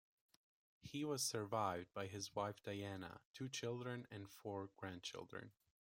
He was survived by his wife Diana, two children and four grandchildren.